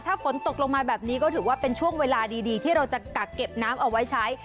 ถ้าฝนตกลงมาแบบนี้ก็ถือว่าเป็นช่วงเวลาดีที่เราจะกักเก็บน้ำเอาไว้ใช้